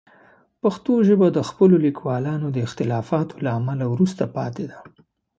پښتو ژبه د خپلو لیکوالانو د اختلافاتو له امله وروسته پاتې ده.